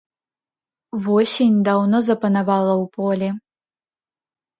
Восень даўно запанавала ў полі.